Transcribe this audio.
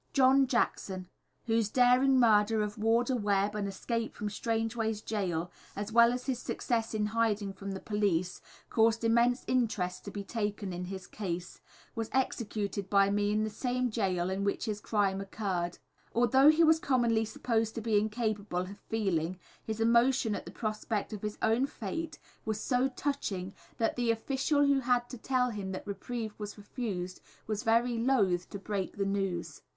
John Jackson, whose daring murder of warder Webb and escape from Strangeways Gaol, as well as his success in hiding from the police, caused immense interest to be taken in his case, was executed by me in the same gaol in which his crime occurred. Although he was commonly supposed to be incapable of feeling, his emotion at the prospect of his own fate was so touching that the official who had to tell him that reprieve was refused was very loth to break the news.